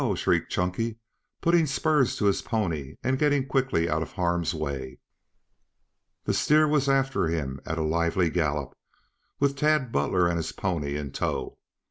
shrieked Chunky, putting spurs to his pony and getting quickly out of harm's way. The steer was after him at a lively gallop, with Tad Butler and his pony in tow.